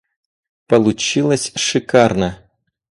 Получилось шикарно.